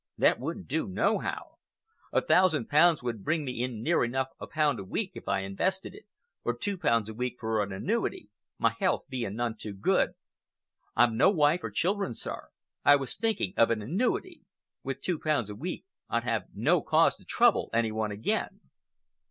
That wouldn't do nohow. A thousand pounds would bring me in near enough a pound a week if I invested it, or two pounds a week for an annuity, my health being none too good. I've no wife or children, sir. I was thinking of an annuity. With two pounds a week I'd have no cause to trouble any one again."